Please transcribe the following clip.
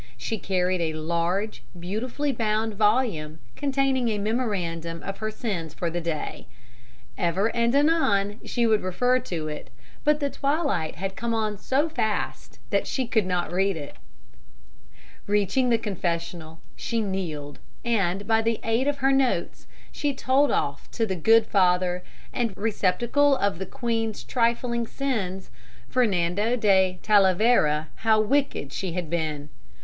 She carried a large, beautifully bound volume containing a memorandum of her sins for the day. Ever and anon she would refer to it, but the twilight had come on so fast that she could not read it. [Illustration: ISABELLA AT CONFESSIONAL.] Reaching the confessional, she kneeled, and, by the aid of her notes, she told off to the good Father and receptacle of the queen's trifling sins, Fernando de Talavera, how wicked she had been.